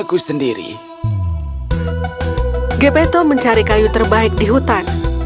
gapetel mencari kayu terbaik di hutan